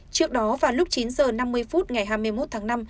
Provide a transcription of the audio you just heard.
trước đó vào lúc chín h năm mươi phút ngày hai mươi một tháng năm